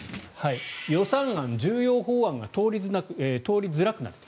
予算案、重要法案が通りづらくなる。